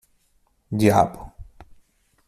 Diabo!